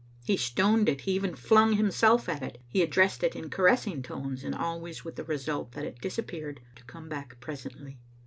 He stoned it, he even flnng himself at it, he addressed it in caressing tones, and always with the result that it disappeared, to come back presently.